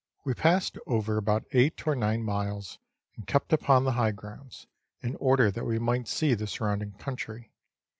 We passed over about eight or nine miles, and kept upon the high grounds, in order that we might see the surrounding country.